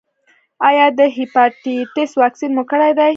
ایا د هیپاټایټس واکسین مو کړی دی؟